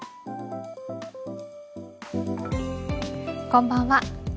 こんばんは。